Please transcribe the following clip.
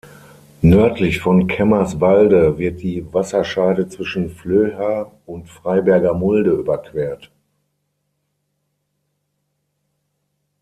Nördlich von Cämmerswalde wird die Wasserscheide zwischen Flöha und Freiberger Mulde überquert.